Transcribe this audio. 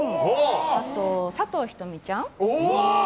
あと、佐藤仁美ちゃん。